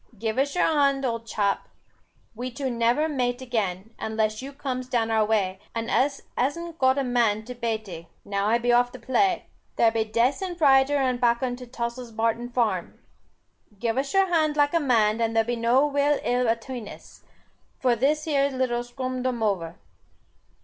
Give us your hond, old chap. We two never mate again, unless you comes down our wai, and us han't got a man to bate e, now I be off the play. There be dacent zider and bakkon to Tossil's Barton Farm. Give us your hond like a man, there be no ill will atween us, for this here little skumdoover."